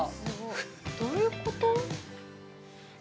どういうこと？